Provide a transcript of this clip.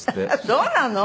そうなの？